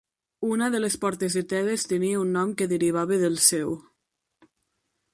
Una de les portes de Tebes tenia un nom que derivava del seu.